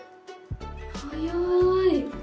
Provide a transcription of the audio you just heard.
早い。